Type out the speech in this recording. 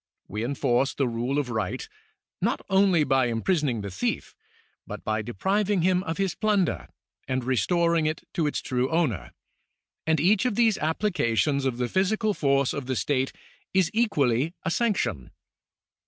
We enforce the rule of right, not only by imprisoning the thief, but by depriving him of his plunder, and restoring it to its true owner ; and each of these applications of the physical force of the state is equally a sanc tion.